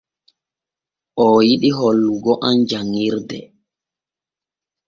Oo yiɗi hollugo am janŋirde.